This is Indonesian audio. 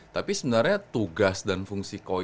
tapi sebenarnya tugas dan fungsi koin